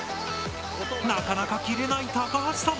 なかなか切れない高橋さん。